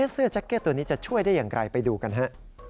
แจ็คเก็ตตัวนี้จะช่วยได้อย่างไรไปดูกันฮะ